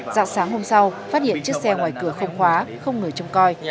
dạo sáng hôm sau phát hiện chiếc xe ngoài cửa không khóa không người châm coi